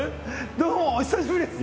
どうもお久しぶりです。